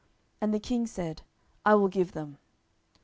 And the king said, I will give them.